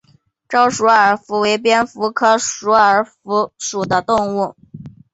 沼鼠耳蝠为蝙蝠科鼠耳蝠属的动物。